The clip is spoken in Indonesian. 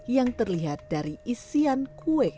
yang terlihat dari isian kue